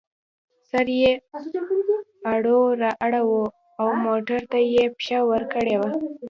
سر یې اړو را اړوو او موټر ته یې پښه ورکړې وه.